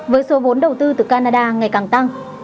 với số vốn đầu tư từ canada ngày càng tăng